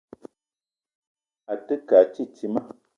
A te ke a titima.